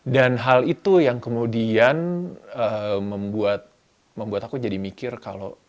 dan hal itu yang kemudian membuat aku jadi mikir kalau